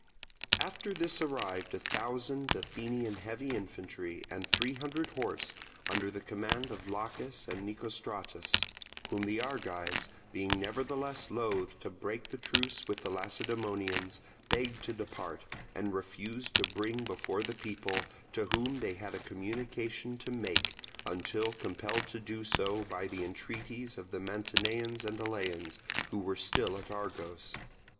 After this arrived a thousand Athenian heavy infantry and three hundred horse, under the command of Laches and Nicostratus; whom the Argives, being nevertheless loath to break the truce with the Lacedaemonians, begged to depart, and refused to bring before the people, to whom they had a communication to make, until compelled to do so by the entreaties of the Mantineans and Eleans, who were still at Argos.